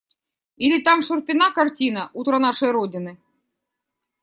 Или там Шурпина картина «Утро нашей родины».